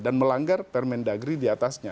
dan melanggar permendagri diatasnya